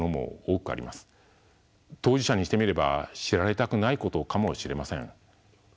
当事者にしてみれば知られたくないことかもしれません。